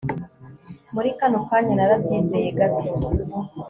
Muri kano kanya narabyizeye gato